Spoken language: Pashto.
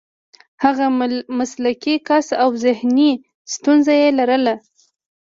هغه مسلکي کس و او ذهني ستونزه یې لرله